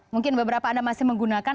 mungkin beberapa anda masih menggunakan